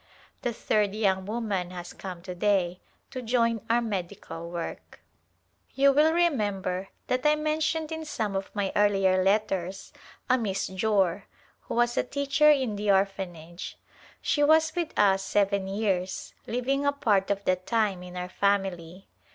The third young woman has come to day to join our medical work. Decennial Conference at Calcutta You will remember that I mentioned in some of my earlier letters a Miss Jore, who was a teacher in the Orphanage. She was with us seven years, living a part of the time in our family.